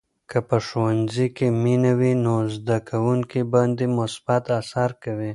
که په ښوونځي کې مینه وي، نو زده کوونکي باندې مثبت اثر کوي.